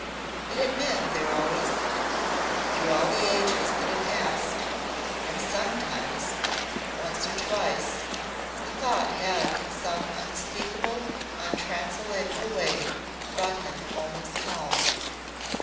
It had been there always through all the ages that had passed. And sometimes once or twice the thought had in some unspeakable, untranslatable way brought him a moment's calm.